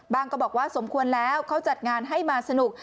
ก็บอกว่าสมควรแล้วเขาจัดงานให้มาสนุก